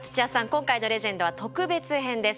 今回のレジェンドは特別編です。